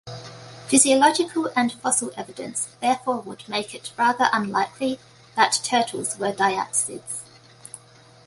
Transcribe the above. Physiological and fossil evidence therefore would make it rather unlikely that turtles were diapsids.